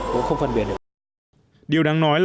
tôi không phân biệt được